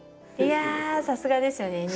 いやさすがですよね